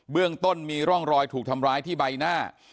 เรื่องต้นมีร่องรอยถูกทำร้ายที่ใบหน้า